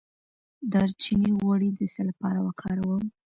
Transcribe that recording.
د دارچینی غوړي د څه لپاره وکاروم؟